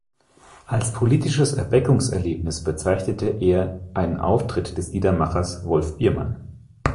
Als politisches Erweckungserlebnis bezeichnete er einen Auftritt des Liedermachers Wolf Biermann.